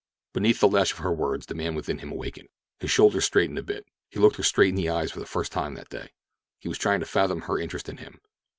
Beneath the lash of her words, the man within him awakened. His shoulders straightened a bit. He looked her straight in the eyes for the first time that day. He was trying to fathom her interest in him.